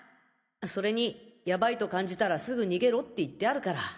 それにヤバイと感じたらすぐ逃げろって言ってあるから。